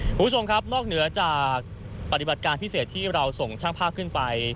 คุณผู้ชมครับนอกเหนือจากปฏิบัติการพิเศษที่เราส่งช่างภาพขึ้นไป